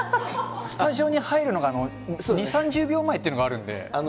スタジオに入るのが２、３０秒前っていうのがあるんで。